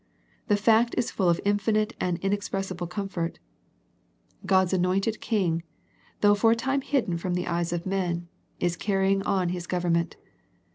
The fact is full of infinite and inexpressi ble comfort. God's anointed King, though for a time hidden from the eyes of men, is car rying on His government.